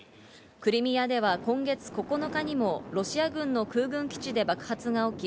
クリミアでは今月９日にもロシア軍の空軍基地で爆発が起き、